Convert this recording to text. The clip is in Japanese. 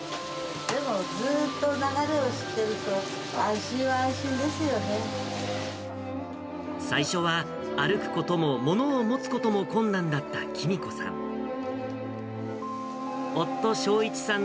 でも、ずっと流れを知ってると、最初は歩くことも、物を持つことも困難だった喜美子さん。